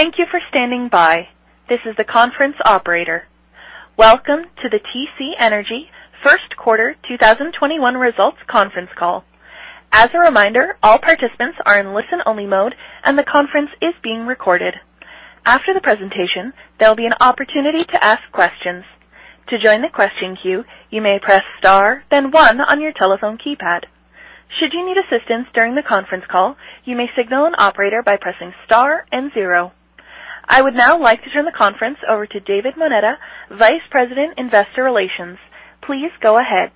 Thank you for standing by. This is the conference operator. Welcome to the TC Energy First Quarter 2021 Results Conference Call. As a reminder, all participants are in listen-only mode, and the conference is being recorded. After the presentation, there'll be an opportunity to ask questions. To join the question queue, you may press star then one on your telephone keypad. Should you need assistance during the conference call, you may signal an operator by pressing star and zero. I would now like to turn the conference over to David Moneta, Vice President, Investor Relations. Please go ahead.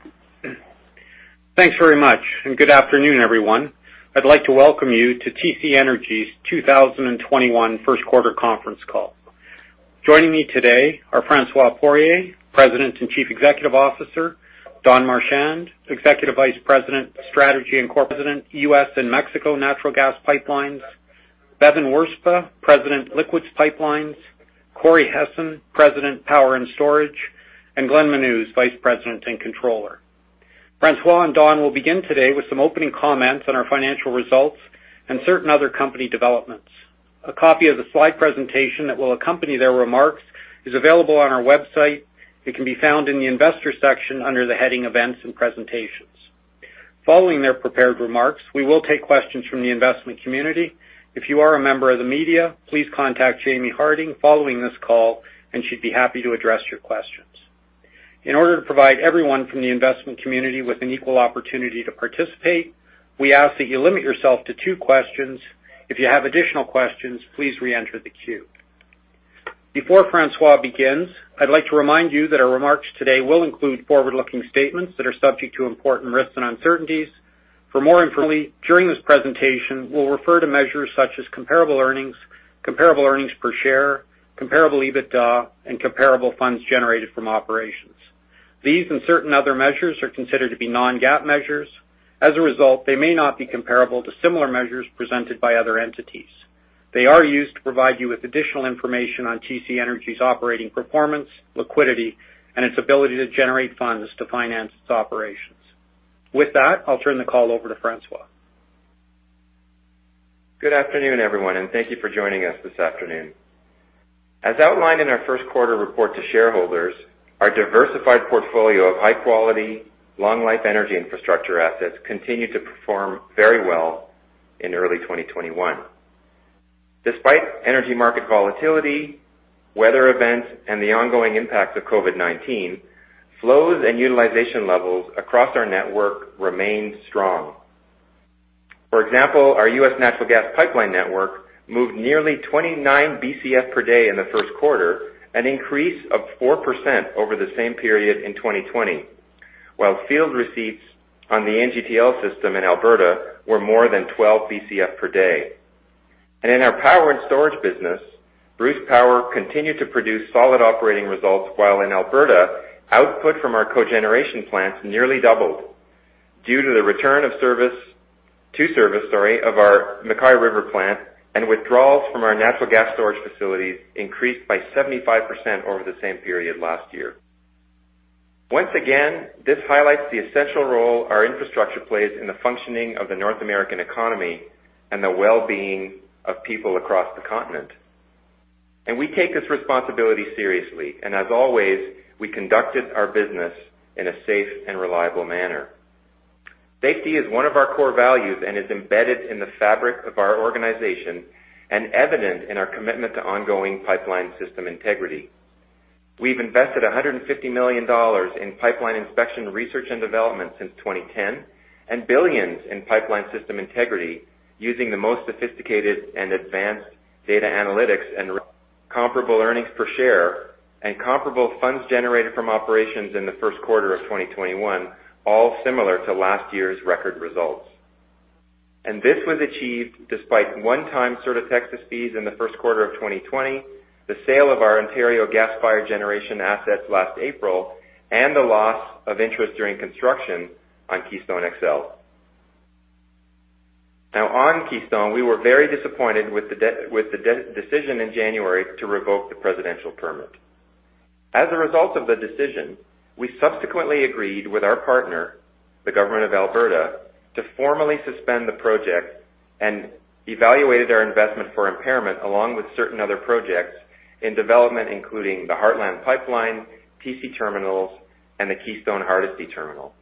Thanks very much. Good afternoon, everyone. I'd like to welcome you to TC Energy's 2021 first quarter conference call. Joining me today are François Poirier, President and Chief Executive Officer, Don Marchand, Executive Vice President, Strategy and Corporate, President, U.S. and Mexico Natural Gas Pipelines, Bevin Wirzba, President, Liquids Pipelines, Corey Hessen, President, Power and Storage, and Glenn Menuz, Vice President and Controller. François and Don will begin today with some opening comments on our financial results and certain other company developments. A copy of the slide presentation that will accompany their remarks is available on our website. It can be found in the investor section under the heading Events and Presentations. Following their prepared remarks, we will take questions from the investment community. If you are a member of the media, please contact Jaimie Harding following this call, and she'd be happy to address your questions. In order to provide everyone from the investment community with an equal opportunity to participate, we ask that you limit yourself to two questions. If you have additional questions, please re-enter the queue. Before François begins, I'd like to remind you that our remarks today will include forward-looking statements that are subject to important risks and uncertainties. During this presentation, we'll refer to measures such as comparable earnings, comparable earnings per share, comparable EBITDA, and comparable funds generated from operations. These and certain other measures are considered to be non-GAAP measures. As a result, they may not be comparable to similar measures presented by other entities. They are used to provide you with additional information on TC Energy's operating performance, liquidity, and its ability to generate funds to finance its operations. With that, I'll turn the call over to François. Good afternoon, everyone, and thank you for joining us this afternoon. As outlined in our first quarter report to shareholders, our diversified portfolio of high-quality, long-life energy infrastructure assets continued to perform very well in early 2021. Despite energy market volatility, weather events, and the ongoing impact of COVID-19, flows and utilization levels across our network remained strong. For example, our U.S. natural gas pipeline network moved nearly 29 BCF per day in the first quarter, an increase of 4% over the same period in 2020, while field receipts on the NGTL system in Alberta were more than 12 BCF per day. In our power and storage business, Bruce Power continued to produce solid operating results, while in Alberta, output from our cogeneration plants nearly doubled due to the return to service of our MacKay River Plant, and withdrawals from our natural gas storage facilities increased by 75% over the same period last year. Once again, this highlights the essential role our infrastructure plays in the functioning of the North American economy and the well-being of people across the continent. We take this responsibility seriously, and as always, we conducted our business in a safe and reliable manner. Safety is one of our core values and is embedded in the fabric of our organization and evident in our commitment to ongoing pipeline system integrity. We've invested 150 million dollars in pipeline inspection, research, and development since 2010 and billions in pipeline system integrity using the most sophisticated and advanced data analytics and comparable earnings per share and comparable funds generated from operations in the first quarter of 2021, all similar to last year's record results. This was achieved despite one-time Sur de Texas fees in the first quarter of 2020, the sale of our Ontario gas-fired generation assets last April, and the loss of interest during construction on Keystone XL. On Keystone, we were very disappointed with the decision in January to revoke the presidential permit. As a result of the decision, we subsequently agreed with our partner, the government of Alberta, to formally suspend the project and evaluated our investment for impairment along with certain other projects in development, including the Heartland Pipeline, TC Terminals, and the Keystone Hardisty Terminal.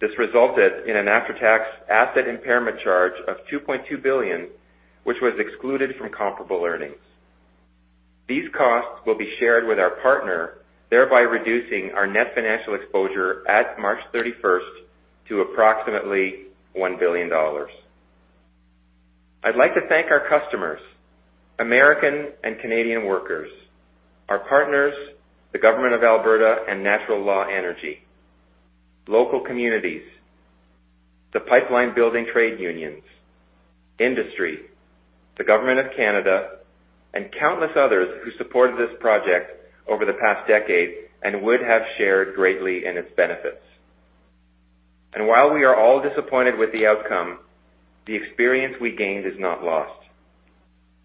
This resulted in an after-tax asset impairment charge of 2.2 billion, which was excluded from comparable earnings. These costs will be shared with our partner, thereby reducing our net financial exposure at March 31st to approximately 1 billion dollars. I'd like to thank our customers, American and Canadian workers, our partners, the government of Alberta and Natural Law Energy, local communities, the pipeline-building trade unions, industry, the government of Canada, and countless others who supported this project over the past decade and would have shared greatly in its benefits. While we are all disappointed with the outcome, the experience we gained is not lost.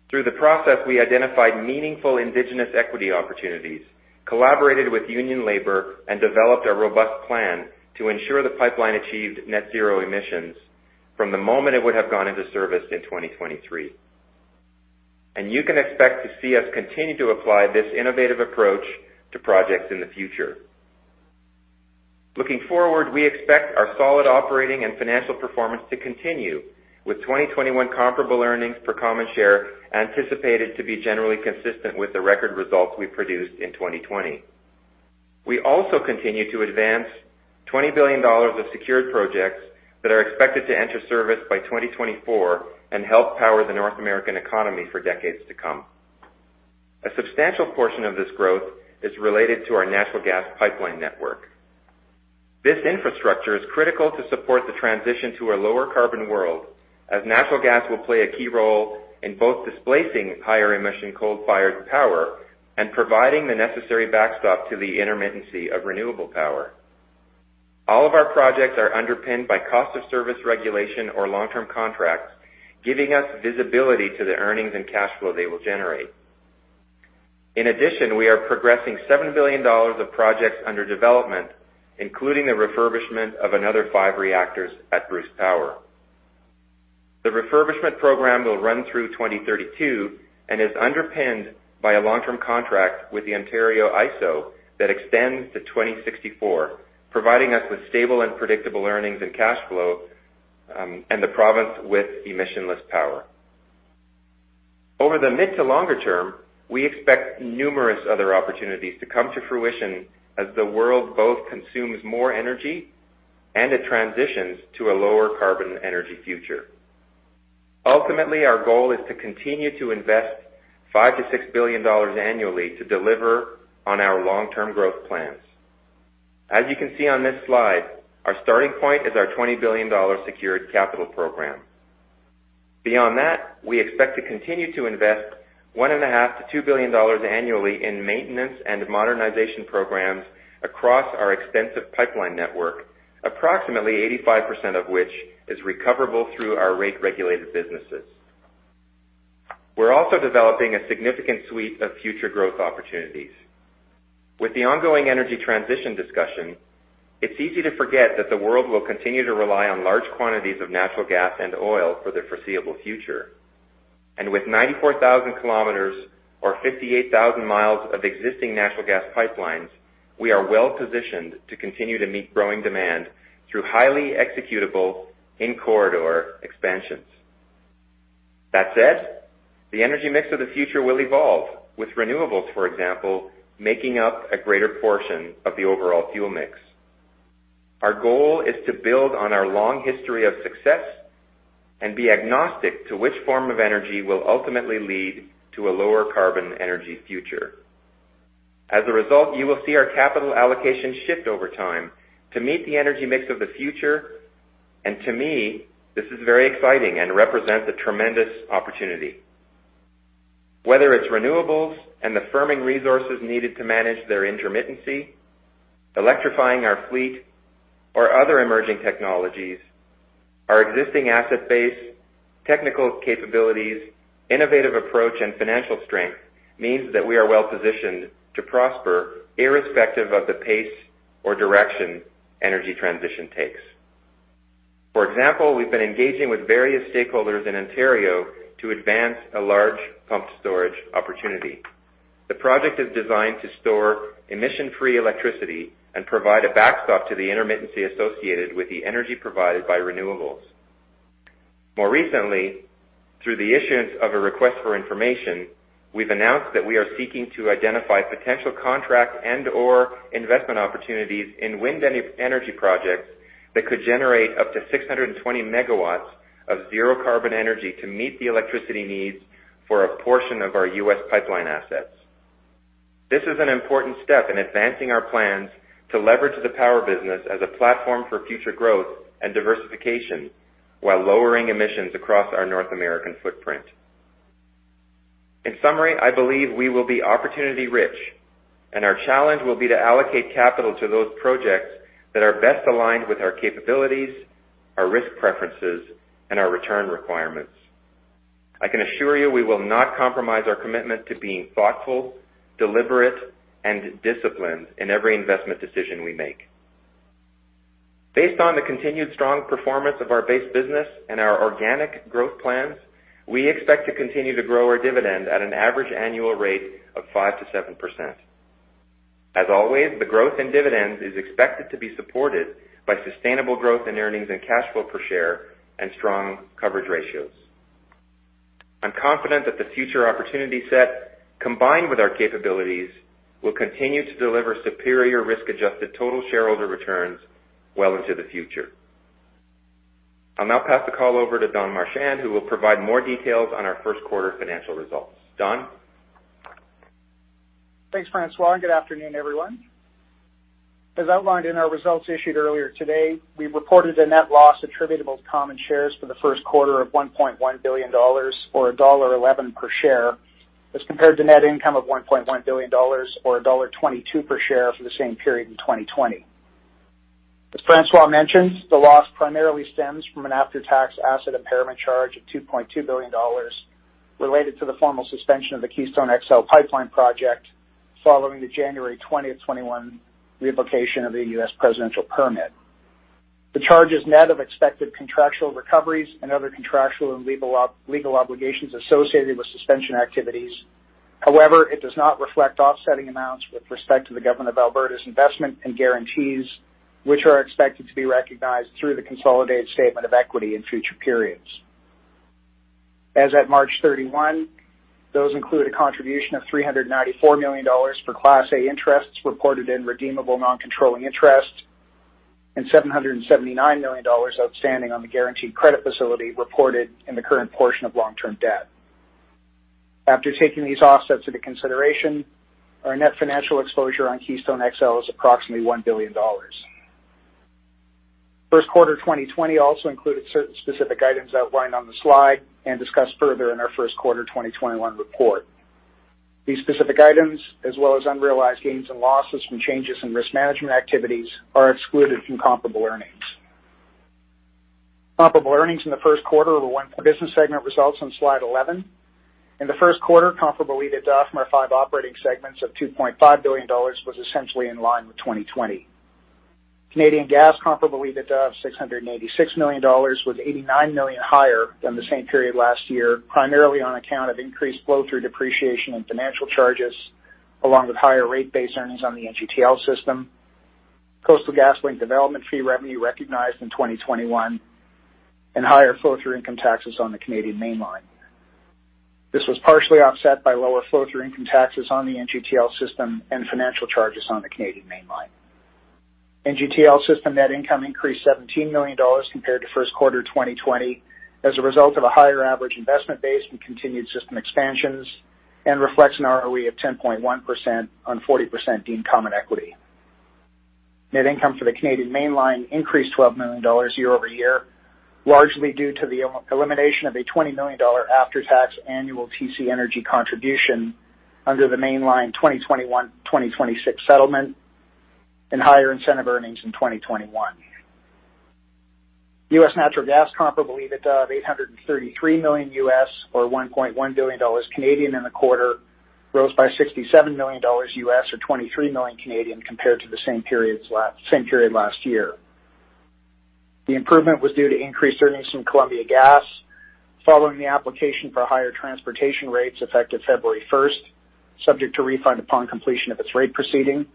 Through the process, we identified meaningful indigenous equity opportunities, collaborated with union labor, and developed a robust plan to ensure the pipeline achieved net zero emissions from the moment it would have gone into service in 2023. You can expect to see us continue to apply this innovative approach to projects in the future. Looking forward, we expect our solid operating and financial performance to continue with 2021 comparable earnings per common share anticipated to be generally consistent with the record results we produced in 2020. We also continue to advance 20 billion dollars of secured projects that are expected to enter service by 2024 and help power the North American economy for decades to come. A substantial portion of this growth is related to our natural gas pipeline network. This infrastructure is critical to support the transition to a lower carbon world, as natural gas will play a key role in both displacing higher emission coal-fired power and providing the necessary backstop to the intermittency of renewable power. All of our projects are underpinned by cost of service regulation or long-term contracts, giving us visibility to the earnings and cash flow they will generate. In addition, we are progressing 7 billion dollars of projects under development, including the refurbishment of another five reactors at Bruce Power. The refurbishment program will run through 2032 and is underpinned by a long-term contract with the Ontario IESO that extends to 2064, providing us with stable and predictable earnings and cash flow, and the province with emissionless power. Over the mid to longer term, we expect numerous other opportunities to come to fruition as the world both consumes more energy and it transitions to a lower carbon energy future. Ultimately, our goal is to continue to invest 5 billion-6 billion dollars annually to deliver on our long-term growth plans. As you can see on this slide, our starting point is our 20 billion dollar secured capital program. Beyond that, we expect to continue to invest 1.5 billion-2 billion dollars annually in maintenance and modernization programs across our extensive pipeline network, approximately 85% of which is recoverable through our rate-regulated businesses. We're also developing a significant suite of future growth opportunities. With the ongoing energy transition discussion, it's easy to forget that the world will continue to rely on large quantities of natural gas and oil for the foreseeable future. With 94,000 km or 58,000 mi of existing natural gas pipelines, we are well-positioned to continue to meet growing demand through highly executable in-corridor expansions. That said, the energy mix of the future will evolve with renewables, for example, making up a greater portion of the overall fuel mix. Our goal is to build on our long history of success and be agnostic to which form of energy will ultimately lead to a lower carbon energy future. As a result, you will see our capital allocation shift over time to meet the energy mix of the future. To me, this is very exciting and represents a tremendous opportunity. Whether it's renewables and the firming resources needed to manage their intermittency, electrifying our fleet, or other emerging technologies, our existing asset base, technical capabilities, innovative approach, and financial strength means that we are well-positioned to prosper irrespective of the pace or direction energy transition takes. For example, we've been engaging with various stakeholders in Ontario to advance a large pumped storage opportunity. The project is designed to store emission-free electricity and provide a backstop to the intermittency associated with the energy provided by renewables. More recently, through the issuance of a request for information, we've announced that we are seeking to identify potential contract and/or investment opportunities in wind energy projects that could generate up to 620 MW of zero carbon energy to meet the electricity needs for a portion of our U.S. pipeline assets. This is an important step in advancing our plans to leverage the power business as a platform for future growth and diversification while lowering emissions across our North American footprint. In summary, I believe we will be opportunity-rich, and our challenge will be to allocate capital to those projects that are best aligned with our capabilities, our risk preferences, and our return requirements. I can assure you we will not compromise our commitment to being thoughtful, deliberate, and disciplined in every investment decision we make. Based on the continued strong performance of our base business and our organic growth plans, we expect to continue to grow our dividend at an average annual rate of 5%-7%. As always, the growth in dividends is expected to be supported by sustainable growth in earnings and cash flow per share and strong coverage ratios. I'm confident that the future opportunity set, combined with our capabilities, will continue to deliver superior risk-adjusted total shareholder returns well into the future. I'll now pass the call over to Don Marchand, who will provide more details on our first quarter financial results. Don? Thanks, François, and good afternoon, everyone. As outlined in our results issued earlier today, we reported a net loss attributable to common shares for the first quarter of 1.1 billion dollars or dollar 1.11 per share as compared to net income of 1.1 billion dollars or dollar 1.22 per share for the same period in 2020. As François mentioned, the loss primarily stems from an after-tax asset impairment charge of 2.2 billion dollars related to the formal suspension of the Keystone XL Pipeline project following the January 20, 2021 revocation of the U.S. Presidential Permit. The charge is net of expected contractual recoveries and other contractual and legal obligations associated with suspension activities. However, it does not reflect offsetting amounts with respect to the government of Alberta's investment and guarantees, which are expected to be recognized through the consolidated statement of equity in future periods. As at March 31, those include a contribution of 394 million dollars for Class A interests reported in redeemable non-controlling interest and 779 million dollars outstanding on the guaranteed credit facility reported in the current portion of long-term debt. After taking these offsets into consideration, our net financial exposure on Keystone XL is approximately 1 billion dollars. First quarter 2020 also included certain specific items outlined on the slide and discussed further in our first quarter 2021 report. These specific items, as well as unrealized gains and losses from changes in risk management activities, are excluded from comparable earnings. Comparable earnings in the first quarter of 2021 business segment results on slide 11. In the first quarter, comparable EBITDA from our five operating segments of 2.5 billion dollars was essentially in line with 2020. Canadian Gas comparable EBITDA of 686 million dollars, was 89 million higher than the same period last year, primarily on account of increased flow-through depreciation and financial charges, along with higher rate-based earnings on the NGTL System, Coastal GasLink development fee revenue recognized in 2021, and higher flow-through income taxes on the Canadian Mainline. This was partially offset by lower flow-through income taxes on the NGTL System and financial charges on the Canadian Mainline. NGTL System net income increased 17 million dollars compared to first quarter 2020 as a result of a higher average investment base and continued system expansions, and reflects an ROE of 10.1% on 40% deemed common equity. Net income for the Canadian Mainline increased 12 million dollars year-over-year, largely due to the elimination of a 20 million dollar after-tax annual TC Energy contribution under the Mainline 2021-2026 settlement and higher incentive earnings in 2021. U.S. Natural Gas comparable EBITDA of $833 million, or 1.1 billion dollars in the quarter, rose by $67 million, or 23 million compared to the same period last year. The improvement was due to increased earnings from Columbia Gas following the application for higher transportation rates effective February 1st, subject to refund upon completion of its rate proceeding,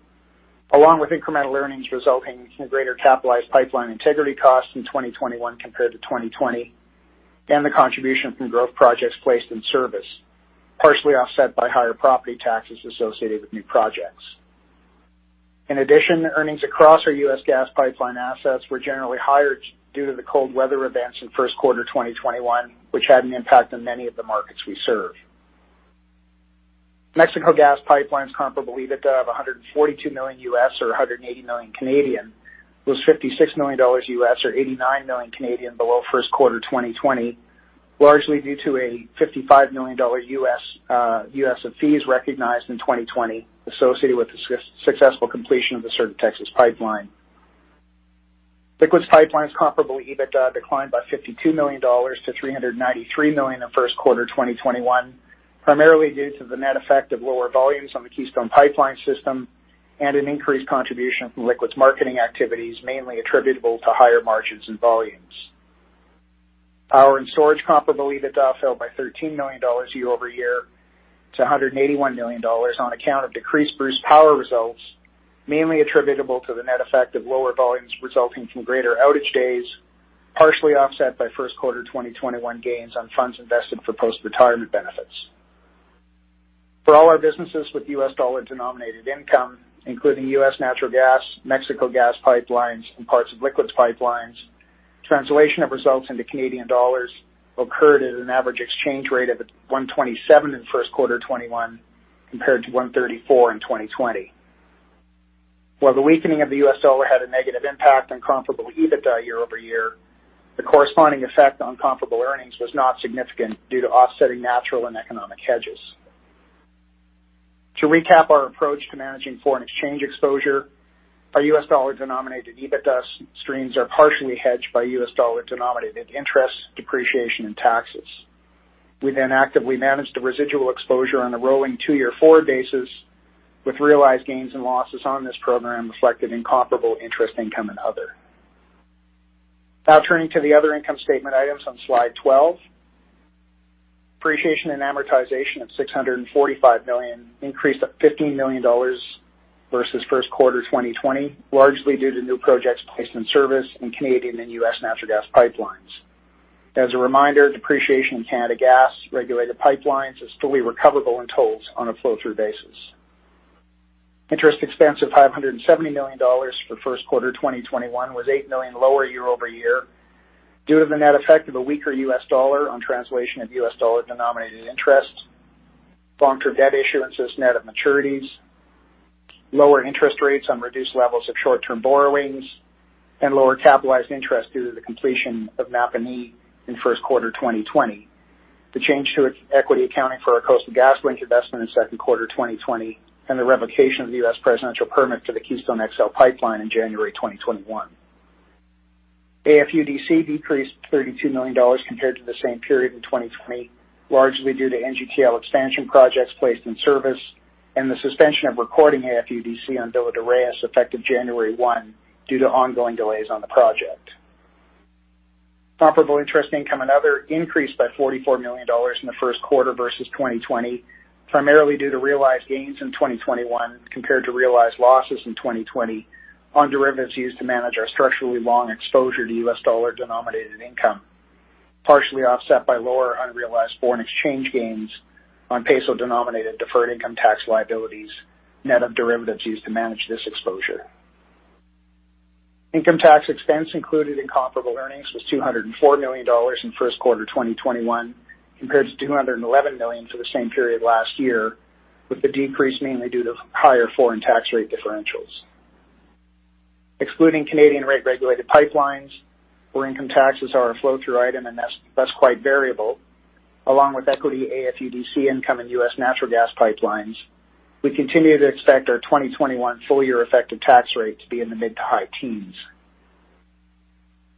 along with incremental earnings resulting from greater capitalized pipeline integrity costs in 2021 compared to 2020, and the contribution from growth projects placed in service, partially offset by higher property taxes associated with new projects. In addition, earnings across our U.S. gas pipeline assets were generally higher due to the cold weather events in first quarter 2021, which had an impact on many of the markets we serve. Mexico Gas Pipelines comparable EBITDA of $142 million, or 180 million, was $56 million, or 89 million below first quarter 2020, largely due to a $55 million of fees recognized in 2020 associated with the successful completion of the Sur de Texas pipeline. Liquids Pipelines comparable EBITDA declined by 52 million dollars to 393 million in first quarter 2021, primarily due to the net effect of lower volumes on the Keystone Pipeline System and an increased contribution from liquids marketing activities, mainly attributable to higher margins and volumes. Power and Storage comparable EBITDA fell by CAD 13 million year-over-year to CAD 181 million on account of decreased Bruce Power results, mainly attributable to the net effect of lower volumes resulting from greater outage days, partially offset by first quarter 2021 gains on funds invested for post-retirement benefits. For all our businesses with U.S. dollar-denominated income, including U.S. Natural Gas, Mexico Gas Pipelines, and parts of Liquids Pipelines, translation of results into Canadian dollars occurred at an average exchange rate of 1.27 in first quarter 2021, compared to 1.34 in 2020. While the weakening of the U.S. dollar had a negative impact on comparable EBITDA year-over-year, the corresponding effect on comparable earnings was not significant due to offsetting natural and economic hedges. To recap our approach to managing foreign exchange exposure, our U.S. dollar-denominated EBITDA streams are partially hedged by U.S. dollar-denominated interest, depreciation, and taxes. We actively manage the residual exposure on a rolling two-year forward basis with realized gains and losses on this program reflected in comparable interest income and other. Turning to the other income statement items on slide 12. Depreciation and amortization of 645 million increased by 15 million dollars versus first quarter 2020, largely due to new projects placed in service in Canadian and U.S. Natural Gas Pipelines. As a reminder, depreciation in Canada Gas regulated pipelines is fully recoverable in tolls on a flow-through basis. Interest expense of 570 million dollars for first quarter 2021 was 8 million lower year-over-year due to the net effect of a weaker U.S. dollar on translation of U.S. dollar-denominated interest, long-term debt issuances, net of maturities, lower interest rates on reduced levels of short-term borrowings, and lower capitalized interest due to the completion of Mapimi in first quarter 2020, the change to equity accounting for our Coastal GasLink investment in second quarter 2020 and the revocation of the U.S. Presidential Permit for the Keystone XL Pipeline in January 2021. AFUDC decreased 32 million dollars compared to the same period in 2020, largely due to NGTL expansion projects placed in service and the suspension of recording AFUDC on Villa de Reyes effective January 1 due to ongoing delays on the project. Comparable interest income and other increased by 44 million dollars in the first quarter versus 2020, primarily due to realized gains in 2021 compared to realized losses in 2020 on derivatives used to manage our structurally long exposure to U.S. dollar-denominated income, partially offset by lower unrealized foreign exchange gains on peso-denominated deferred income tax liabilities, net of derivatives used to manage this exposure. Income tax expense included in comparable earnings was 204 million dollars in first quarter 2021, compared to 211 million for the same period last year, with the decrease mainly due to higher foreign tax rate differentials. Excluding Canadian rate-regulated pipelines, where income taxes are a flow-through item, and that's quite variable, along with equity AFUDC income in U.S. natural gas pipelines, we continue to expect our 2021 full-year effective tax rate to be in the mid to high teens.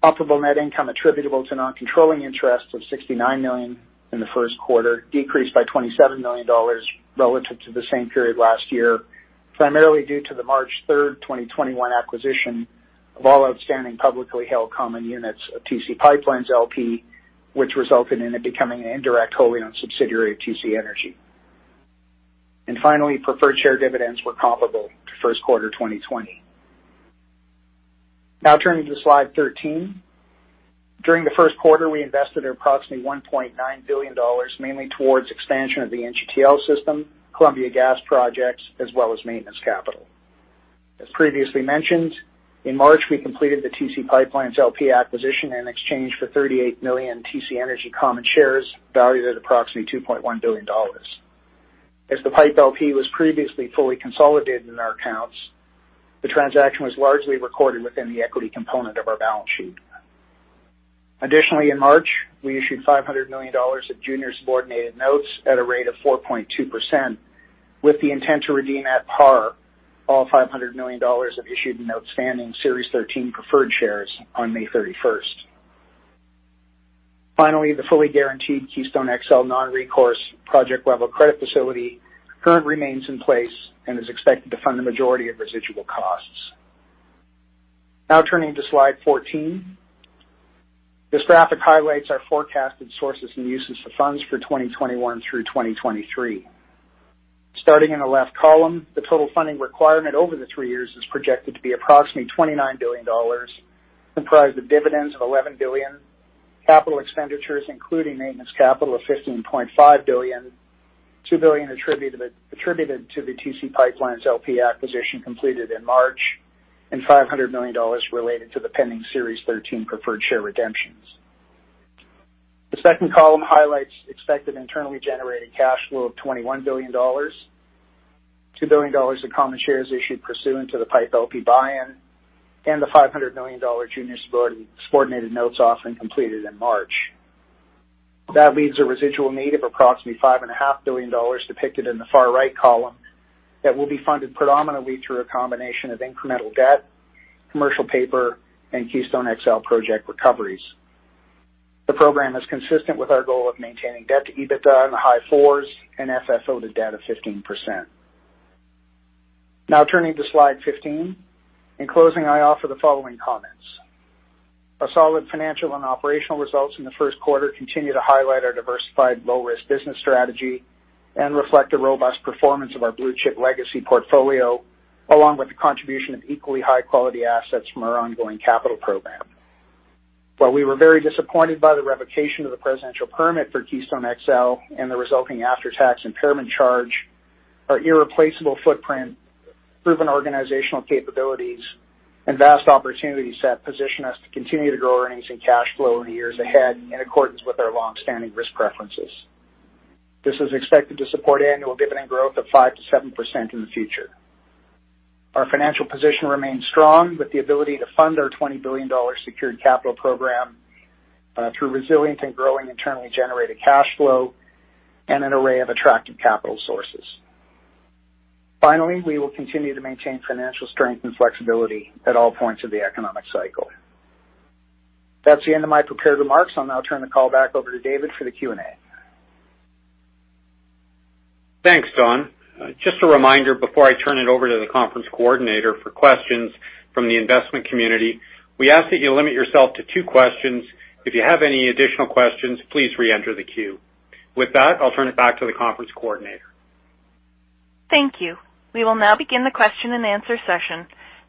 Comparable net income attributable to non-controlling interests was 69 million in the first quarter, decreased by 27 million dollars relative to the same period last year, primarily due to the March 3rd, 2021, acquisition of all outstanding publicly held common units of TC PipeLines, LP, which resulted in it becoming an indirect wholly-owned subsidiary of TC Energy. Finally, preferred share dividends were comparable to first quarter 2020. Now turning to slide 13. During the first quarter, we invested approximately 1.9 billion dollars, mainly towards expansion of the NGTL system, Columbia Gas projects, as well as maintenance capital. As previously mentioned, in March, we completed the TC PipeLines, LP acquisition in exchange for 38 million TC Energy common shares valued at approximately 2.1 billion dollars. As the PipeLines, LP was previously fully consolidated in our accounts, the transaction was largely recorded within the equity component of our balance sheet. Additionally, in March, we issued 500 million dollars of junior subordinated notes at a rate of 4.2% with the intent to redeem at par all 500 million dollars of issued and outstanding Series 13 preferred shares on May 31st. Finally, the fully guaranteed Keystone XL non-recourse project-level credit facility currently remains in place and is expected to fund the majority of residual costs. Now turning to slide 14. This graphic highlights our forecasted sources and uses of funds for 2021 through 2023. Starting in the left column, the total funding requirement over the three years is projected to be approximately 29 billion dollars, comprised of dividends of 11 billion, capital expenditures including maintenance capital of 15.5 billion, 2 billion attributed to the TC PipeLines, LP acquisition completed in March, and 500 million dollars related to the pending Series 13 preferred share redemptions. The second column highlights expected internally generated cash flow of 21 billion dollars, 2 billion dollars of common shares issued pursuant to the PipeLines, LP buy-in, and the 500 million dollar junior subordinated notes offering completed in March. That leaves a residual need of approximately 5.5 billion dollars, depicted in the far right column, that will be funded predominantly through a combination of incremental debt, commercial paper, and Keystone XL project recoveries. The program is consistent with our goal of maintaining debt to EBITDA in the high 4s and FFO to debt of 15%. Turning to slide 15. In closing, I offer the following comments. Our solid financial and operational results in the first quarter continue to highlight our diversified low-risk business strategy and reflect the robust performance of our blue-chip legacy portfolio, along with the contribution of equally high-quality assets from our ongoing capital program. While we were very disappointed by the revocation of the presidential permit for Keystone XL and the resulting after-tax impairment charge, our irreplaceable footprint, proven organizational capabilities, and vast opportunity set position us to continue to grow earnings and cash flow in the years ahead in accordance with our longstanding risk preferences. This is expected to support annual dividend growth of 5% to 7% in the future. Our financial position remains strong with the ability to fund our 20 billion dollar secured capital program, through resilient and growing internally generated cash flow and an array of attractive capital sources. Finally, we will continue to maintain financial strength and flexibility at all points of the economic cycle. That's the end of my prepared remarks. I'll now turn the call back over to David for the Q&A. Thanks, Don. Just a reminder before I turn it over to the conference coordinator for questions from the investment community, we ask that you limit yourself to two questions. If you have any additional questions, please reenter the queue. With that, I'll turn it back to the conference coordinator. Thank you. We will now begin the question-and-answer session.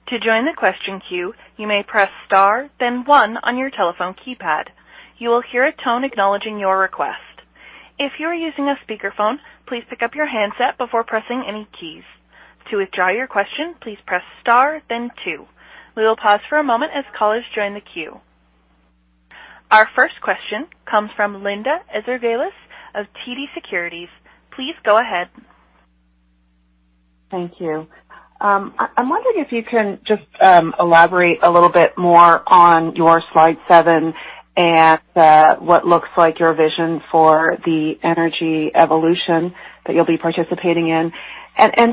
To join the question queue, you may press star then one on your telephone keypad. You will hear a tone acknowledging your request. If you're using a speakerphone, please pick up your handset before pressing any keys. To withdraw your question, please press star then two. We will pause for a moment as callers join the queue. Our first question comes from Linda Ezergailis of TD Securities. Please go ahead. Thank you. I'm wondering if you can just elaborate a little bit more on your slide seven and what looks like your vision for the energy evolution that you'll be participating in.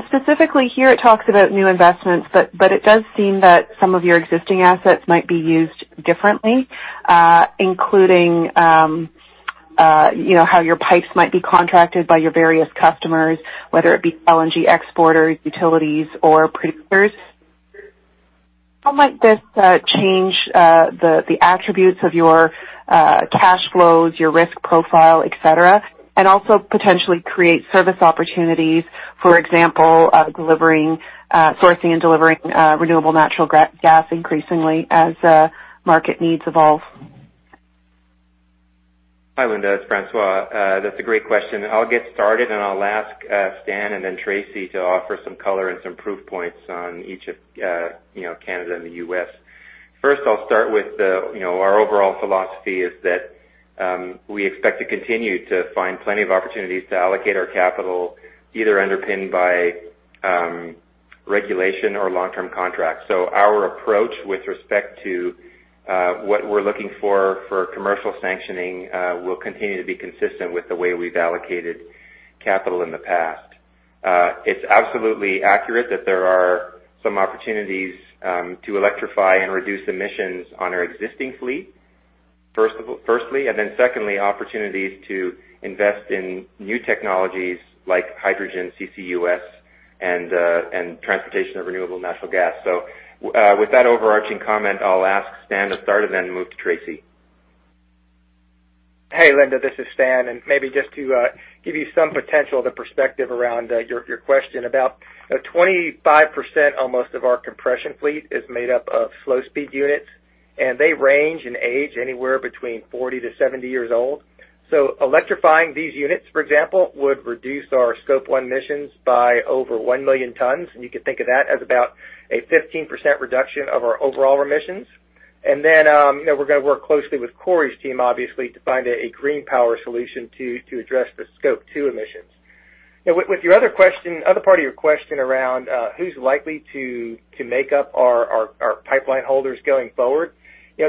Specifically here, it talks about new investments, but it does seem that some of your existing assets might be used differently, including how your pipes might be contracted by your various customers, whether it be LNG exporters, utilities, or producers. How might this change the attributes of your cash flows, your risk profile, et cetera, and also potentially create service opportunities, for example, sourcing and delivering renewable natural gas increasingly as market needs evolve? Hi, Linda. It's François. That's a great question. I'll get started, and I'll ask Stan and then Tracy to offer some color and some proof points on each of Canada and the U.S. First, I'll start with our overall philosophy is that we expect to continue to find plenty of opportunities to allocate our capital, either underpinned by regulation or long-term contracts. Our approach with respect to what we're looking for commercial sanctioning will continue to be consistent with the way we've allocated capital in the past. It's absolutely accurate that there are some opportunities to electrify and reduce emissions on our existing fleet, firstly, and then secondly, opportunities to invest in new technologies like hydrogen, CCUS, and transportation of renewable natural gas. With that overarching comment, I'll ask Stan to start and then move to Tracy. Hey, Linda. This is Stan. Maybe just to give you some potential, the perspective around your question. About 25% almost of our compression fleet is made up of slow speed units. They range in age anywhere between 40-70 years old. Electrifying these units, for example, would reduce our scope one emissions by over 1 million tons. You can think of that as about a 15% reduction of our overall emissions. We're going to work closely with Corey's team, obviously, to find a green power solution to address the scope two emissions. With your other part of your question around who's likely to make up our pipeline holders going forward.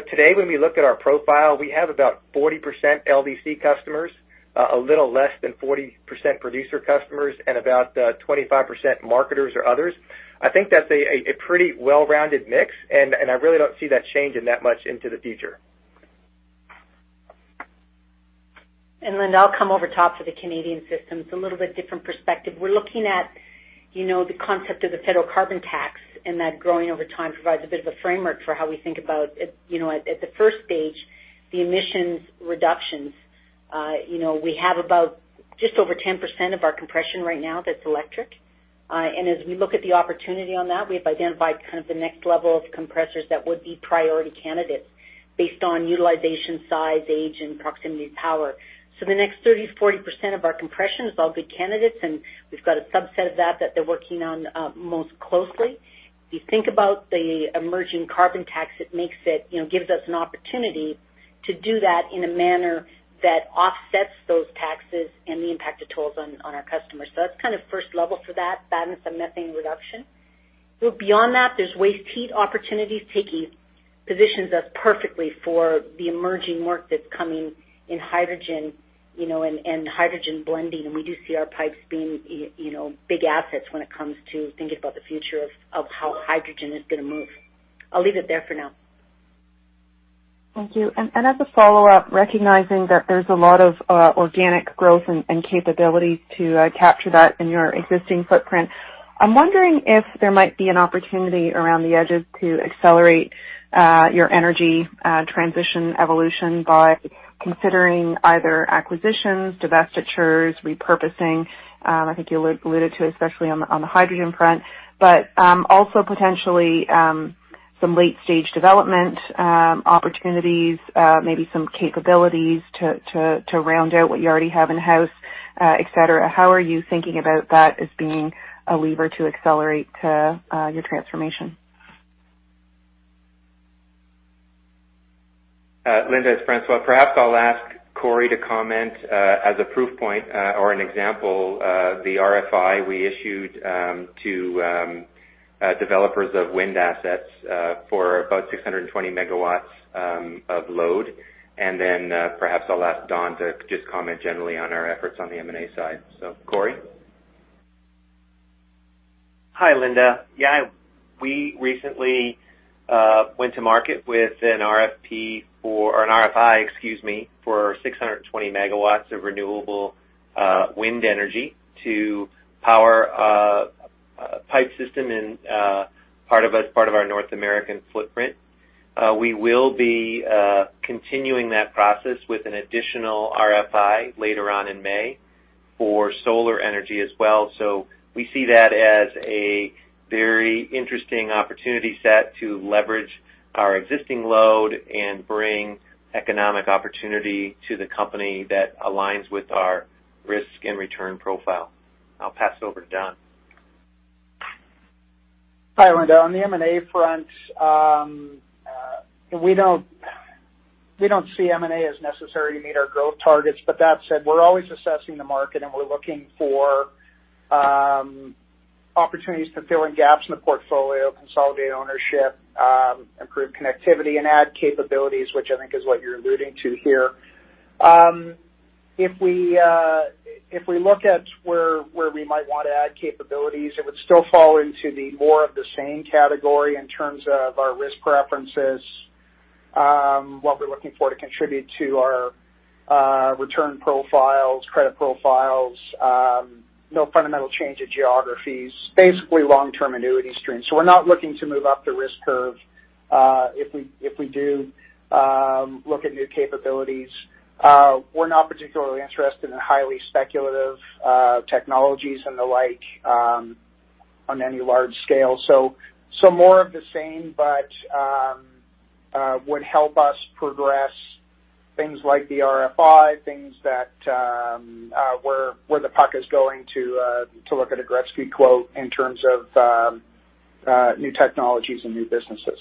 Today, when we look at our profile, we have about 40% LDC customers, a little less than 40% producer customers, and about 25% marketers or others. I think that's a pretty well-rounded mix. I really don't see that changing that much into the future. I'll come over top of the Canadian system. It's a little bit different perspective. We're looking at the concept of the federal carbon tax and that growing over time provides a bit of a framework for how we think about, at the first stage, the emissions reductions. We have about just over 10% of our compression right now that's electric. As we look at the opportunity on that, we've identified the next level of compressors that would be priority candidates based on utilization, size, age, and proximity to power. The next 30%-40% of our compression is all good candidates, and we've got a subset of that they're working on most closely. You think about the emerging carbon tax, it gives us an opportunity to do that in a manner that offsets those taxes and the impact it tolls on our customers. That's first level for that and some methane reduction. Beyond that, there's waste heat opportunities, positions us perfectly for the emerging work that's coming in hydrogen and hydrogen blending, and we do see our pipes being big assets when it comes to thinking about the future of how hydrogen is going to move. I'll leave it there for now. Thank you, and as a follow-up. Recognizing that there's a lot of organic growth and capability to capture that in your existing footprint. I'm wondering if there might be an opportunity around the edges to accelerate your energy transition evolution by considering either acquisitions, divestitures, repurposing. I think you alluded to, especially on the hydrogen front, but also potentially some late-stage development opportunities, maybe some capabilities to round out what you already have in-house, et cetera. How are you thinking about that as being a lever to accelerate your transformation? Linda, it's François. Perhaps I'll ask Corey to comment as a proof point or an example the RFI we issued to developers of wind assets for about 620 MW of load. Perhaps I'll ask Don to just comment generally on our efforts on the M&A side. Corey? Hi, Linda. Yeah, we recently went to market with an RFI for 620 MW of renewable wind energy to power a pipe system in part of our North American footprint. We will be continuing that process with an additional RFI later on in May for solar energy as well. We see that as a very interesting opportunity set to leverage our existing load and bring economic opportunity to the company that aligns with our risk and return profile. I'll pass it over to Don. Hi, Linda. On the M&A front, we don't see M&A as necessary to meet our growth targets. That said, we're always assessing the market, and we're looking for opportunities to fill in gaps in the portfolio, consolidate ownership, improve connectivity, and add capabilities, which I think is what you're alluding to here. If we look at where we might want to add capabilities, it would still fall into the more of the same category in terms of our risk preferences, what we're looking for to contribute to our return profiles, credit profiles. No fundamental change in geographies. Basically long-term annuity streams. We're not looking to move up the risk curve. If we do look at new capabilities, we're not particularly interested in highly speculative technologies and the like on any large scale. More of the same, but would help us progress things like the RFI, things that where the puck is going to look at a Gretzky quote in terms of new technologies and new businesses.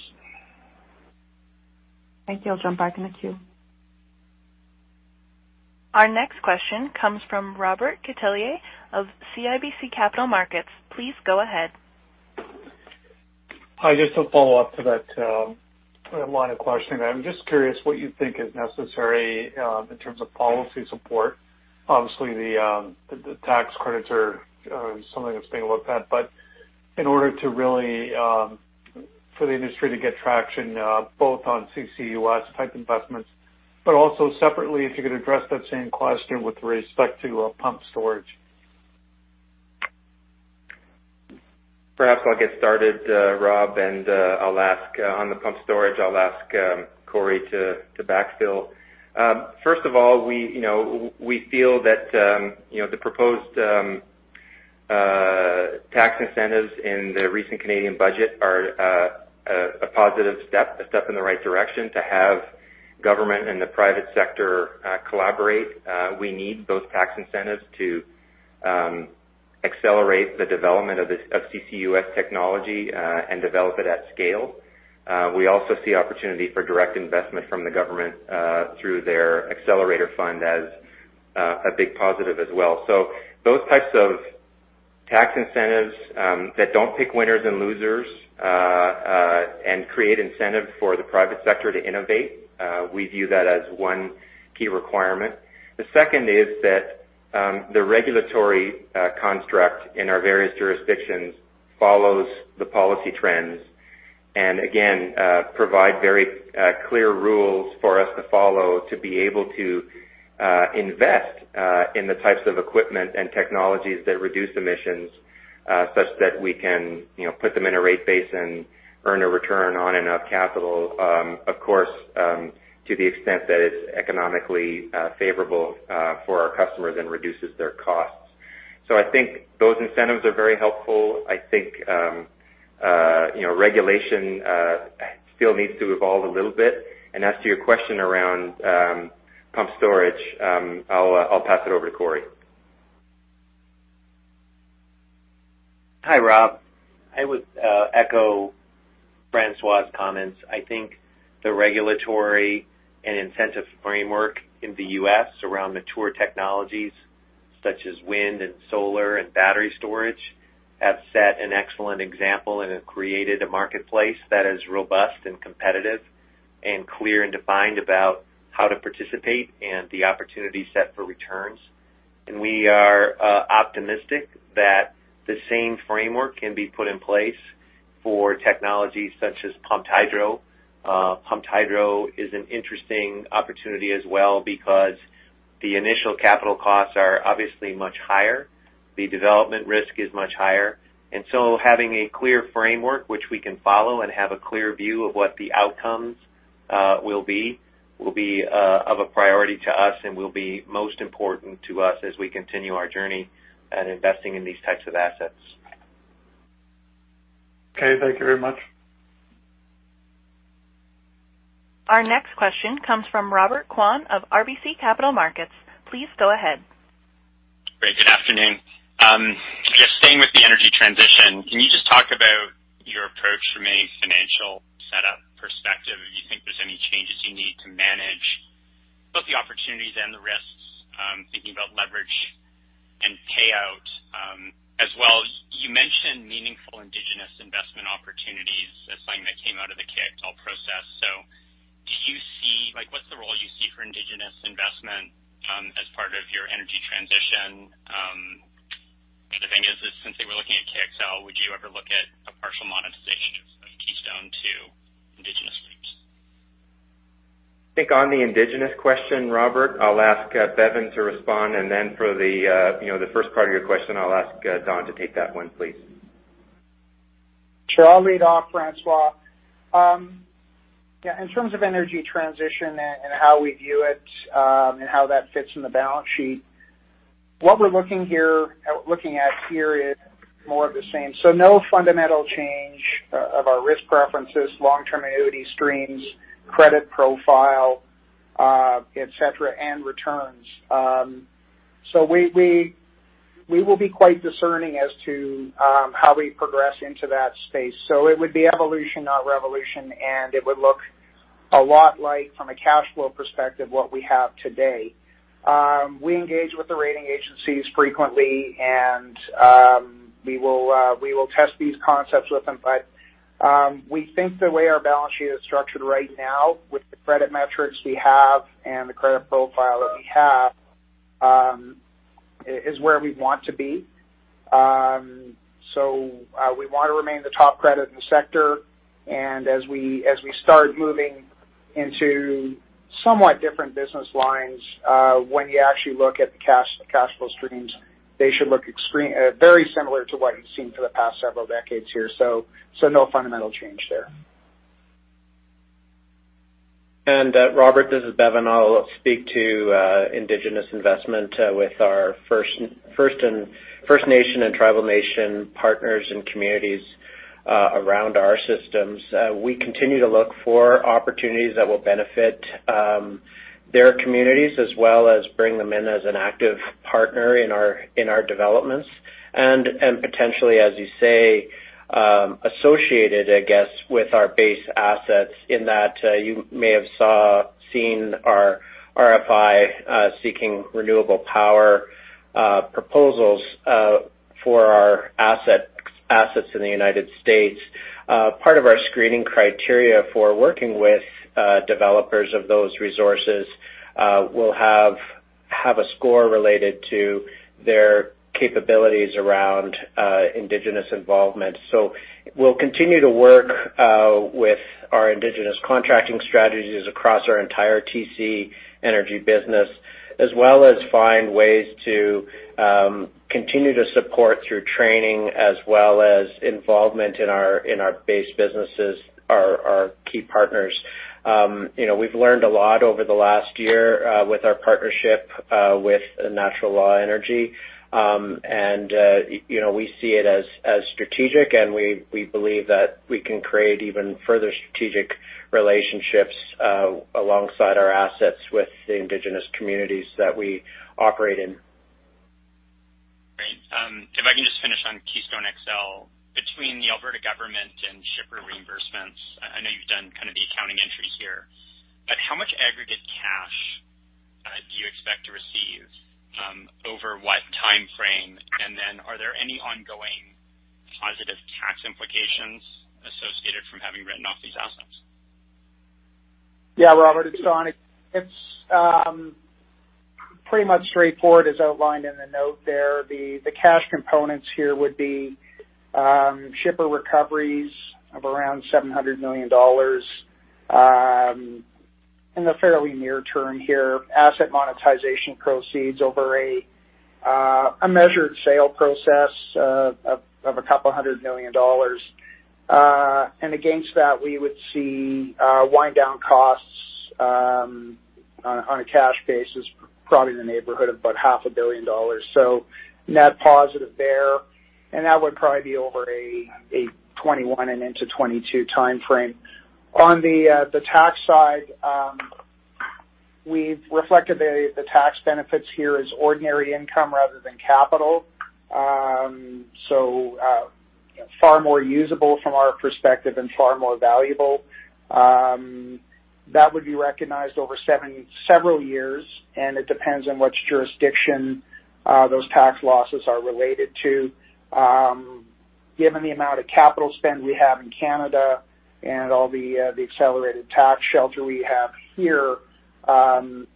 Thank you. I'll jump back in the queue. Our next question comes from Robert Catellier of CIBC Capital Markets. Please go ahead. Hi, just a follow-up to that line of questioning. I'm just curious what you think is necessary in terms of policy support. Obviously, the tax credits are something that's being looked at, but in order to really for the industry to get traction both on CCUS type investments. Also separately, if you could address that same question with respect to pumped storage. Perhaps I'll get started, Rob, and on the pumped storage, I'll ask Corey to backfill. First of all, we feel that the proposed tax incentives in the recent Canadian budget are a positive step, a step in the right direction to have government and the private sector collaborate. We need those tax incentives to accelerate the development of CCUS technology and develop it at scale. We also see opportunity for direct investment from the government through their accelerator fund as a big positive as well. Those types of tax incentives that don't pick winners and losers, and create incentive for the private sector to innovate, we view that as one key requirement. The second is that the regulatory construct in our various jurisdictions follows the policy trends, and again, provide very clear rules for us to follow to be able to invest in the types of equipment and technologies that reduce emissions such that we can put them in a rate base and earn a return on enough capital of course, to the extent that it's economically favorable for our customers and reduces their costs. I think those incentives are very helpful. I think regulation still needs to evolve a little bit. As to your question around pumped storage, I'll pass it over to Corey. Hi, Rob. I would echo François' comments. I think the regulatory and incentive framework in the U.S. around mature technologies such as wind and solar and battery storage have set an excellent example and have created a marketplace that is robust and competitive and clear and defined about how to participate and the opportunity set for returns. We are optimistic that the same framework can be put in place for technologies such as pumped hydro. Pumped hydro is an interesting opportunity as well because the initial capital costs are obviously much higher. The development risk is much higher. Having a clear framework which we can follow and have a clear view of what the outcomes will be, will be of a priority to us and will be most important to us as we continue our journey and investing in these types of assets. Okay, thank you very much. Our next question comes from Robert Kwan of RBC Capital Markets. Please go ahead. Great. Good afternoon. Just staying with the energy transition, can you just talk about your approach from a financial setup perspective, if you think there's any changes you need to manage both the opportunities and the risks, thinking about leverage and payout. As well, you mentioned meaningful indigenous investment opportunities as something that came out of the Keystone process. What's the role you see for indigenous investment as part of your energy transition? The thing is, since they were looking at Keystone, would you ever look at a partial monetization of Keystone to indigenous groups? I think on the indigenous question, Robert, I'll ask Bevin to respond, and then for the first part of your question, I'll ask Don to take that one, please. Sure. I'll lead off, François. In terms of energy transition and how we view it, and how that fits in the balance sheet, what we're looking at here is more of the same. No fundamental change of our risk preferences, long-term annuity streams, credit profile et cetera, and returns. We will be quite discerning as to how we progress into that space. It would be evolution, not revolution, and it would look a lot like, from a cash flow perspective, what we have today. We engage with the rating agencies frequently, and we will test these concepts with them. We think the way our balance sheet is structured right now with the credit metrics we have and the credit profile that we have, is where we want to be. We want to remain the top credit in the sector. As we start moving into somewhat different business lines, when you actually look at the cash flow streams, they should look very similar to what you've seen for the past several decades here. No fundamental change there. Robert, this is Bevin. I'll speak to indigenous investment with our First Nation and Tribal Nation partners and communities around our systems. We continue to look for opportunities that will benefit their communities as well as bring them in as an active partner in our developments. Potentially, as you say, associated, I guess, with our base assets in that you may have seen our RFI seeking renewable power proposals for our assets in the United States. Part of our screening criteria for working with developers of those resources will have a score related to their capabilities around indigenous involvement. We'll continue to work with our indigenous contracting strategies across our entire TC Energy business, as well as find ways to continue to support through training as well as involvement in our base businesses, our key partners. We've learned a lot over the last year with our partnership with Natural Law Energy. We see it as strategic, and we believe that we can create even further strategic relationships alongside our assets with the indigenous communities that we operate in. Great. If I can just finish on Keystone XL. Between the Alberta government and shipper reimbursements, I know you've done kind of the accounting entry here, how much aggregate cash do you expect to receive, over what timeframe, and then are there any ongoing positive tax implications associated from having written off these assets? Yeah, Robert, it's Don. It's pretty much straightforward as outlined in the note there. The cash components here would be shipper recoveries of around 700 million dollars in the fairly near term here. Asset monetization proceeds over a measured sale process of a couple hundred million dollars. Against that, we would see wind-down costs on a cash basis, probably in the neighborhood of about 500 million dollars. Net positive there, and that would probably be over a 2021 and into 2022 timeframe. On the tax side, we've reflected the tax benefits here as ordinary income rather than capital. Far more usable from our perspective and far more valuable. That would be recognized over several years, and it depends on which jurisdiction those tax losses are related to. Given the amount of capital spend we have in Canada and all the accelerated tax shelter we have here,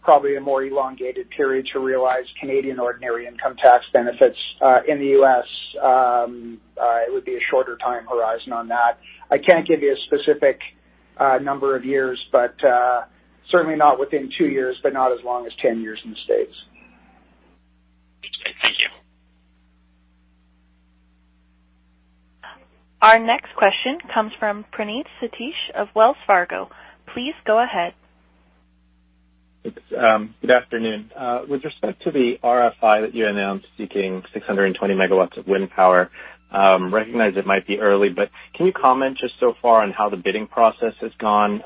probably a more elongated period to realize Canadian ordinary income tax benefits. In the U.S., it would be a shorter time horizon on that. I can't give you a specific number of years, but certainly not within two years, but not as long as 10 years in the States. Thank you. Our next question comes from Praneeth Satish of Wells Fargo. Please go ahead. Good afternoon. With respect to the RFI that you announced seeking 620 MW of wind power, I recognize it might be early, but can you comment just so far on how the bidding process has gone?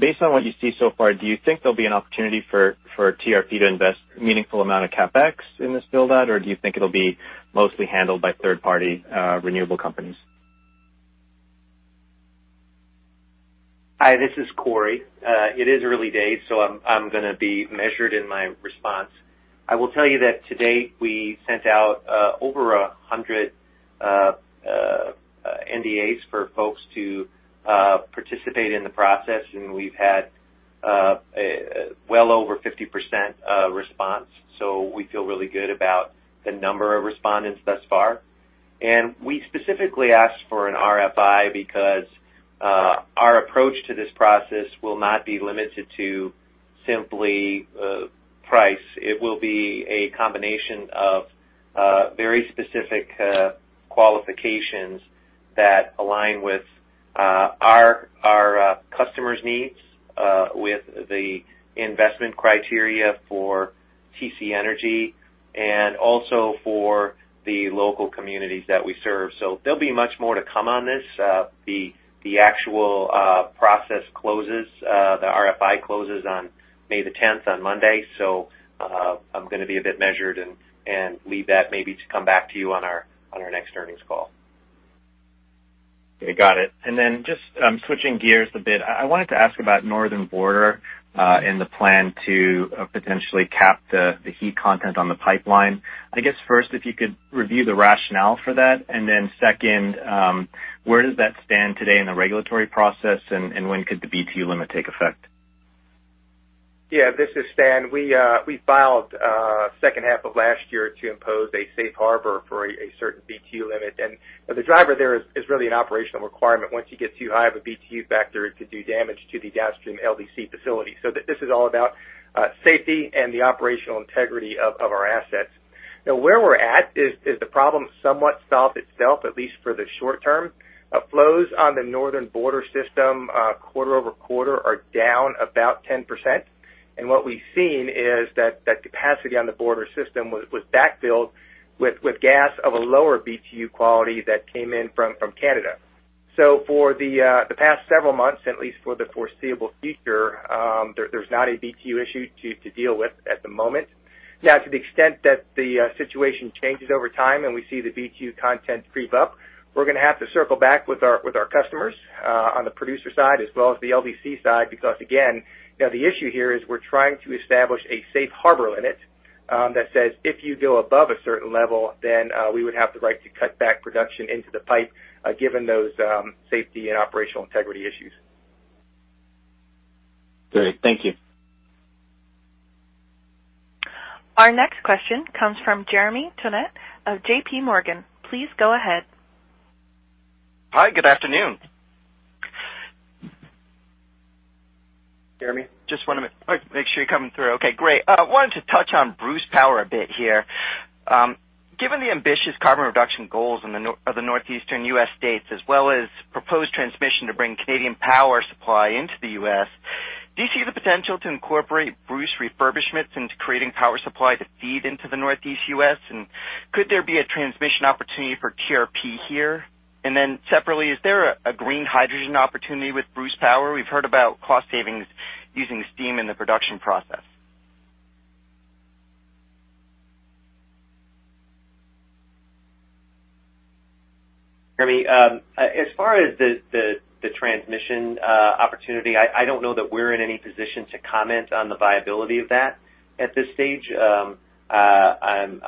Based on what you see so far, do you think there'll be an opportunity for TRP to invest a meaningful amount of CapEx in this build-out, or do you think it'll be mostly handled by third-party renewable companies? Hi, this is Corey. It is early days, so I'm going to be measured in my response. I will tell you that to date, we sent out over 100 NDAs for folks to participate in the process, and we've had well over 50% response. We feel really good about the number of respondents thus far. We specifically asked for an RFI because our approach to this process will not be limited to simply price. It will be a combination of very specific qualifications that align with our customers' needs with the investment criteria for TC Energy, and also for the local communities that we serve. There'll be much more to come on this. The actual process closes, the RFI closes on May the 10th, on Monday. I'm going to be a bit measured and leave that maybe to come back to you on our next earnings call. Okay, got it. Just switching gears a bit. I wanted to ask about Northern Border and the plan to potentially cap the heat content on the pipeline. I guess first, if you could review the rationale for that, and then second, where does that stand today in the regulatory process, and when could the BTU limit take effect? Yeah, this is Stan. We filed second half of last year to impose a safe harbor for a certain BTU limit. The driver there is really operational requirement. Once you get too high of a BTU factor, it could do damage to the downstream LDC facility. This is all about safety and the operational integrity of our assets. Now, where we're at is, the problem somewhat solved itself, at least for the short term. Flows on the Northern Border system, quarter-over-quarter, are down about 10%. What we've seen is that the capacity on the border system was backfilled with gas of a lower BTU quality that came in from Canada. For the past several months, at least for the foreseeable future, there's not a BTU issue to deal with at the moment. Now, to the extent that the situation changes over time and we see the BTU content creep up, we're going to have to circle back with our customers on the producer side as well as the LDC side, because, again, the issue here is we're trying to establish a safe harbor limit that says if you go above a certain level, then we would have the right to cut back production into the pipe, given those safety and operational integrity issues. Great. Thank you. Our next question comes from Jeremy Tonet of JPMorgan. Please go ahead. Hi, good afternoon. Jeremy, just want to make sure you're coming through. Okay, great. I wanted to touch on Bruce Power a bit here. Given the ambitious carbon reduction goals of the northeastern U.S. states, as well as proposed transmission to bring Canadian power supply into the U.S., do you see the potential to incorporate Bruce refurbishments into creating power supply to feed into the northeast U.S.? Could there be a transmission opportunity for TRP here? Separately, is there a green hydrogen opportunity with Bruce Power? We've heard about cost savings using steam in the production process. Jeremy, as far as the transmission opportunity, I don't know that we're in any position to comment on the viability of that at this stage. I'm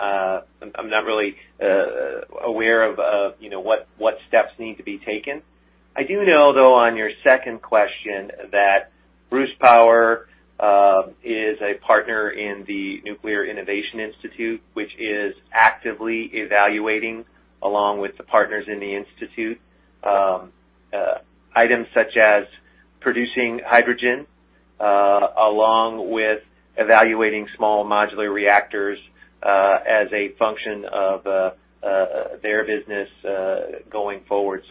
not really aware of what steps need to be taken. I do know, though, on your second question, that Bruce Power is a partner in the Nuclear Innovation Institute, which is actively evaluating, along with the partners in the institute, items such as producing hydrogen, along with evaluating small modular reactors as a function of their business going forward.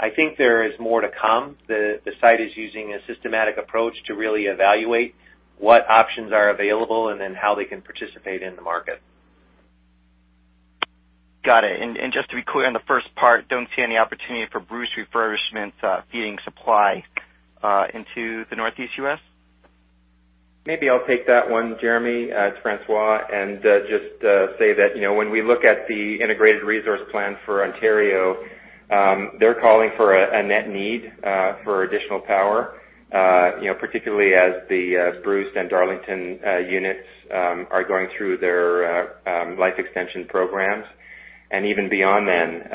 I think there is more to come. The site is using a systematic approach to really evaluate what options are available and then how they can participate in the market. Got it. Just to be clear on the first part, don't see any opportunity for Bruce refurbishment feeding supply into the Northeast U.S.? Maybe I'll take that one, Jeremy, it's François, just say that when we look at the integrated resource plan for Ontario, they're calling for a net need for additional power, particularly as the Bruce and Darlington units are going through their life extension programs. Even beyond then,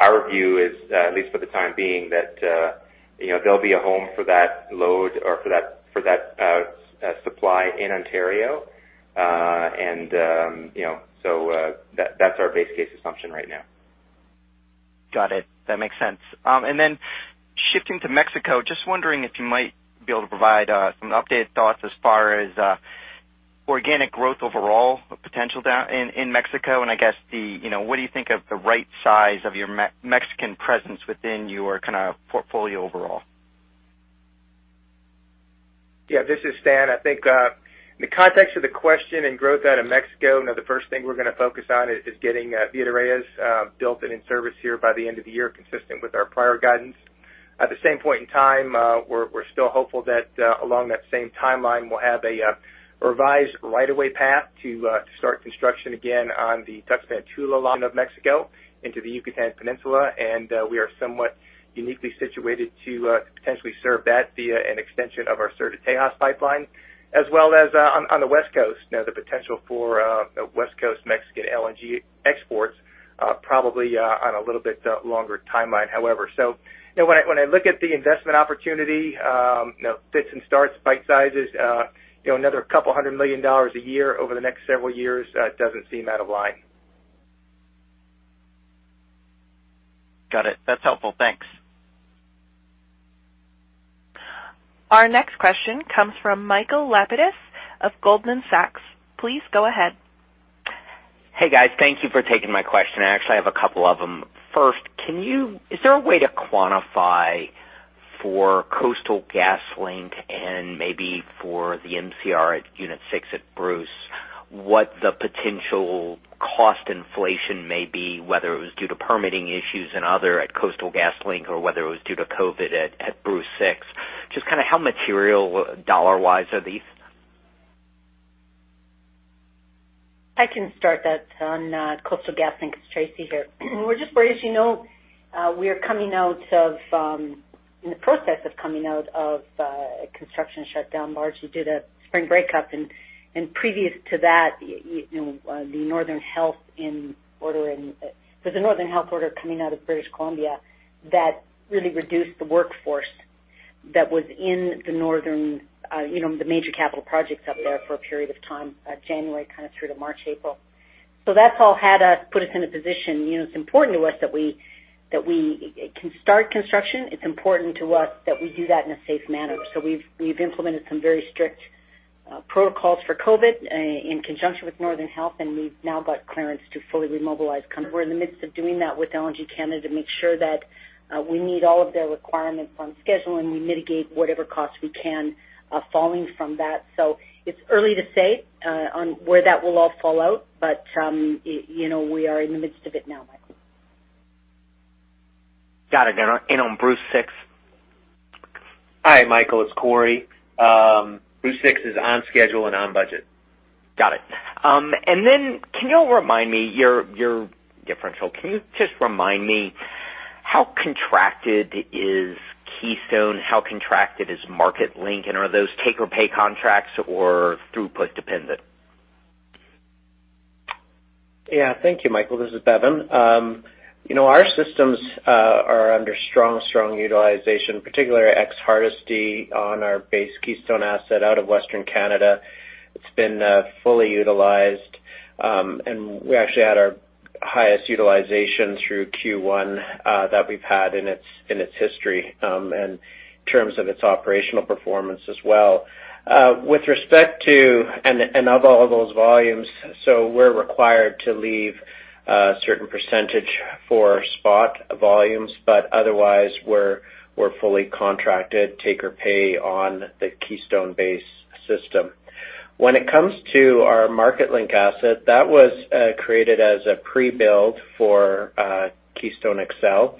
our view is, at least for the time being, that there'll be a home for that load or for that supply in Ontario. That's our base case assumption right now. Got it. That makes sense. Shifting to Mexico, just wondering if you might be able to provide some updated thoughts as far as organic growth overall potential down in Mexico. I guess, what do you think of the right size of your Mexican presence within your portfolio overall? Yeah, this is Stan. I think the context of the question and growth out of Mexico, the first thing we're going to focus on is getting Villa de Reyes built and in service here by the end of the year, consistent with our prior guidance. At the same point in time, we're still hopeful that along that same timeline, we'll have a revised right of way path to start construction again on the Tuxpan-Tula line of Mexico into the Yucatán Peninsula. We are somewhat uniquely situated to potentially serve that via an extension of our Sur de Texas pipeline. As well as on the West Coast, the potential for West Coast Mexican LNG exports, probably on a little bit longer timeline, however. When I look at the investment opportunity, fits and starts, bite sizes, another couple hundred million dollars a year over the next several years doesn't seem out of line. Got it. That's helpful. Thanks. Our next question comes from Michael Lapides of Goldman Sachs. Please go ahead. Hey guys, thank you for taking my question. I actually have a couple of them. First, is there a way to quantify for Coastal GasLink and maybe for the MCR at Unit 6 at Bruce, what the potential cost inflation may be, whether it was due to permitting issues and other at Coastal GasLink, or whether it was due to COVID at Bruce 6? Just how material dollar-wise are these? I can start that on Coastal GasLink. It's Tracy here. As you know, we're in the process of coming out of a construction shutdown largely due to spring breakup. Previous to that, there's a Northern Health order coming out of British Columbia that really reduced the workforce that was in the major capital projects up there for a period of time, January through to March, April. That's all put us in a position. It's important to us that we can start construction. It's important to us that we do that in a safe manner. We've implemented some very strict protocols for COVID in conjunction with Northern Health, and we've now got clearance to fully remobilize. We're in the midst of doing that with LNG Canada to make sure that we meet all of their requirements on schedule, and we mitigate whatever costs we can falling from that. It's early to say on where that will all fall out, but we are in the midst of it now, Michael. Got it, and on Bruce 6? Hi, Michael, it's Corey. Bruce 6 is on schedule and on budget. Got it. Then your differential, can you just remind me how contracted is Keystone? How contracted is Marketlink? Are those take-or-pay contracts or throughput dependent? Thank you, Michael. This is Bevin. Our systems are under strong utilization, particularly Ex-Hardisty on our base Keystone asset out of Western Canada. It's been fully utilized, and we actually had our highest utilization through Q1 that we've had in its history, and in terms of its operational performance as well. With respect to and of all those volumes, we're required to leave a certain percentage for spot volumes, otherwise, we're fully contracted take-or-pay on the Keystone base system. When it comes to our Marketlink asset, that was created as a pre-build for Keystone XL.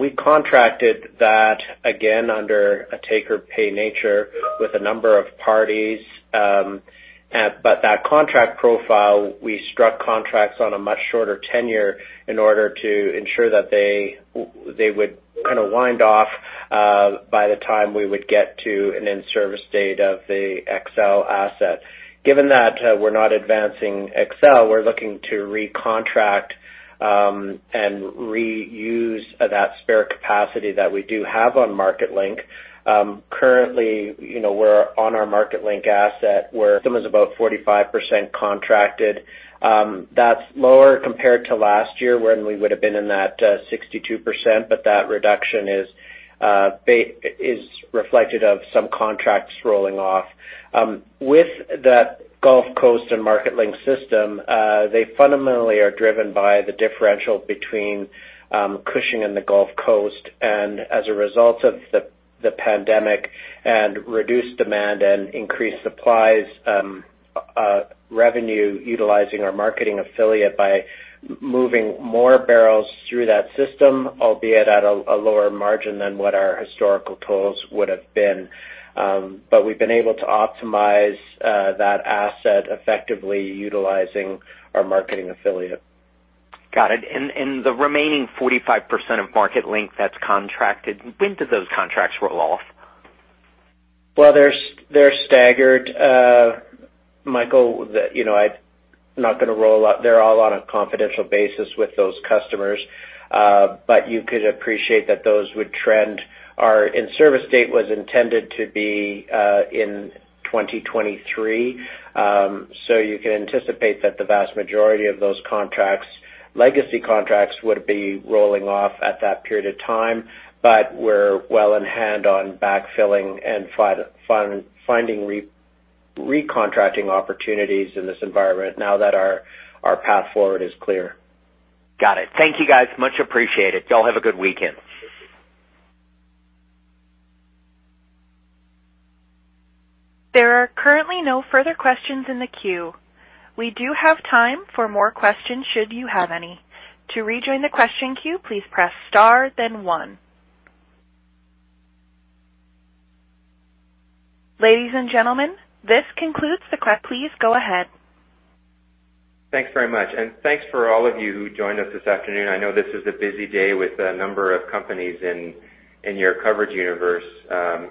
We contracted that again under a take-or-pay nature with a number of parties. That contract profile, we struck contracts on a much shorter tenure in order to ensure that they would wind off by the time we would get to an in-service date of the XL asset. Given that we're not advancing XL, we're looking to recontract and reuse that spare capacity that we do have on Marketlink. Currently, we're on our Marketlink asset. We're almost about 45% contracted. That's lower compared to last year when we would've been in that 62%, but that reduction is reflected of some contracts rolling off. With the Gulf Coast and Marketlink system, they fundamentally are driven by the differential between Cushing and the Gulf Coast, and as a result of the pandemic and reduced demand and increased supplies, revenue utilizing our marketing affiliate by moving more barrels through that system, albeit at a lower margin than what our historical tolls would've been. we've been able to optimize that asset effectively utilizing our marketing affiliate. Got it. The remaining 45% of Marketlink that's contracted, when do those contracts roll off? Well, they're staggered, Michael. I'm not going to roll out. They're all on a confidential basis with those customers. You could appreciate that those would trend. Our in-service date was intended to be in 2023. You can anticipate that the vast majority of those legacy contracts would be rolling off at that period of time. We're well in hand on backfilling and finding recontracting opportunities in this environment now that our path forward is clear. Got it. Thank you, guys. Much appreciated. You all have a good weekend. There are currently no further questions in the queue. We do have time for more questions should you have any. To rejoin the question queue, please press star then one. Ladies and gentlemen, this concludes the question. Please go ahead. Thanks very much, and thanks for all of you who joined us this afternoon. I know this is a busy day with a number of companies in your coverage universe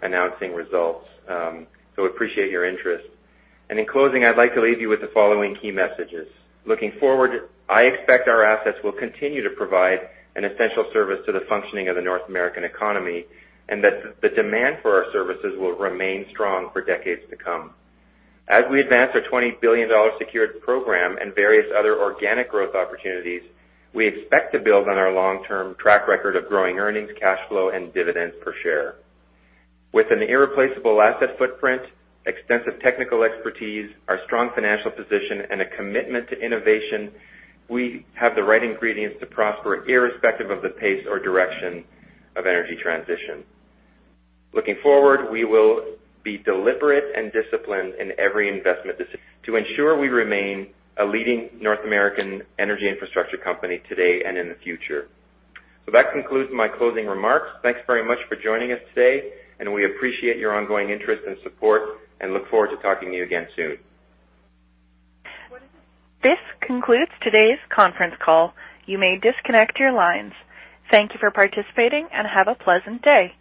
announcing results. Appreciate your interest. In closing, I'd like to leave you with the following key messages. Looking forward, I expect our assets will continue to provide an essential service to the functioning of the North American economy, and that the demand for our services will remain strong for decades to come. As we advance our 20 billion dollar secured program and various other organic growth opportunities, we expect to build on our long-term track record of growing earnings, cash flow, and dividends per share. With an irreplaceable asset footprint, extensive technical expertise, our strong financial position, and a commitment to innovation, we have the right ingredients to prosper irrespective of the pace or direction of energy transition. Looking forward, we will be deliberate and disciplined in every investment decision to ensure we remain a leading North American energy infrastructure company today and in the future. That concludes my closing remarks. Thanks very much for joining us today, and we appreciate your ongoing interest and support and look forward to talking to you again soon. This concludes today's conference call. You may disconnect your lines. Thank you for participating and have a pleasant day.